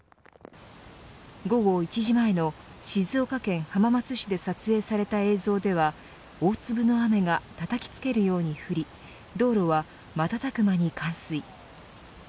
午後１時前の静岡県浜松市で撮影された映像では大粒の雨がたたきつけるように降り道路は、瞬く間に冠水。